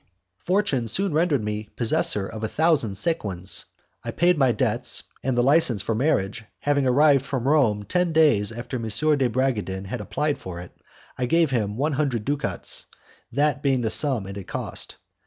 Fortune soon rendered me possessor of a thousand sequins. I paid my debts, and the licence for the marriage having arrived from Rome ten days after M. de Bragadin had applied for it, I gave him one hundred ducats, that being the sum it had cost.